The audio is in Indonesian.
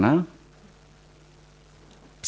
semakin menyukai petahana yang diperlukan